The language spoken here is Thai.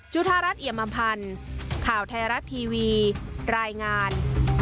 จุธารัฐเหยียบมพันธ์ข่าวไทยรัฐทีวีรายงาน